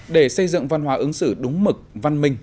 để xây dựng văn hóa ứng xử đúng mực văn minh